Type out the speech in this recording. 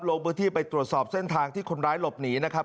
ลงพื้นที่ไปตรวจสอบเส้นทางที่คนร้ายหลบหนีนะครับ